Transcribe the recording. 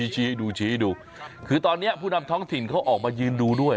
ชี้ให้ดูชี้ดูคือตอนนี้ผู้นำท้องถิ่นเขาออกมายืนดูด้วย